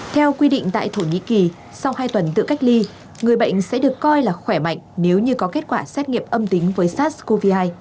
theo quy định tại thổ nhĩ kỳ sau hai tuần tự cách ly người bệnh sẽ được coi là khỏe mạnh nếu như có kết quả xét nghiệm âm tính với sars cov hai